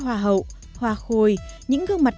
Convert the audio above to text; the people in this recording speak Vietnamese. hoa hậu hoa khôi những gương mặt